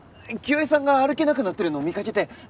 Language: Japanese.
清江さんが歩けなくなってるのを見かけて。